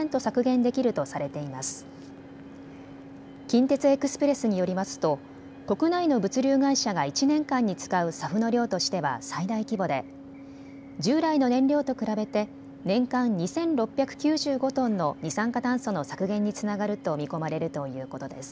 近鉄エクスプレスによりますと国内の物流会社が１年間に使うＳＡＦの量としては最大規模で従来の燃料と比べて年間２６９５トンの二酸化炭素の削減につながると見込まれるということです。